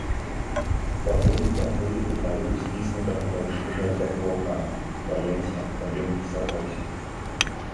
Паволі цягнулі ўгару сціснутага паміж жэрдак ваўка, баяліся, каб ён не сарваўся.